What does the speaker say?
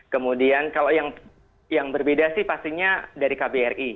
kemudian kalau yang berbeda sih pastinya dari kbri